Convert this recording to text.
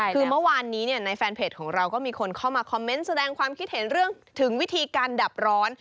คือเมื่อวานนี้ในแฟนเพจของเราก็มีคนเข้ามาคอมเมนต์แสดงความคิดเห็นเรื่องถึงวิธีการดับร้อน